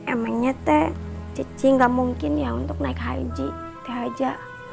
emangnya teh cuci gak mungkin ya untuk naik haji teh aja